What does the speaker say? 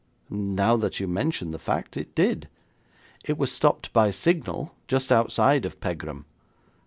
'Now that you mention the fact, it did. It was stopped by signal just outside of Pegram.